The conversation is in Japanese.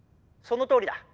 そのとおりだ。